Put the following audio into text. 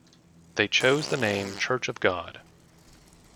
They chose the name Church of God.